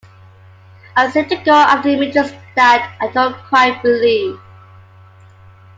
I seem to go after images that I don't quite believe.